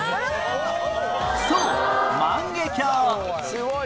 そう万華鏡